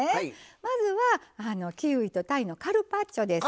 まずはキウイとたいのカルパッチョです。